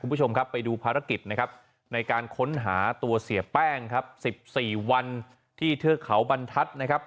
คุณผู้ชมครับไปดูภารกิจนะครับในการค้นหาตัวเสียแป้งครับ๑๔วันที่เทือกเขาบรรทัศน์นะครับ